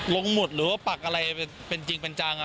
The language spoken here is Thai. หมุดหรือว่าปักอะไรเป็นจริงเป็นจัง